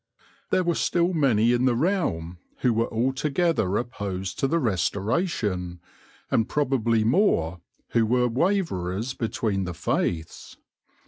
There were still many in the realm who were altogether opposed to the Restoration, and probably more who were waverers between the faiths.